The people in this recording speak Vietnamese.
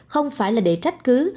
không phải là để trách cứ